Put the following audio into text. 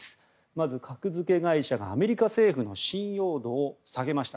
まず格付け会社がアメリカ政府の信用度を下げました。